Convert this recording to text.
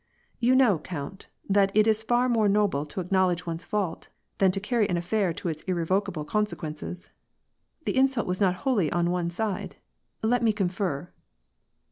—" You know count, that it is far more noble to acknowledge one's fault, than to carry an affair to its irrevocable consequences. The insult was not wholly on one side. Let me confer."